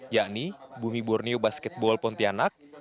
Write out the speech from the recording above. yakni bumi borneo basketball pontianak